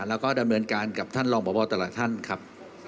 แล้วก็ดำเนินการกับท่านรองพบแต่ละท่านครับ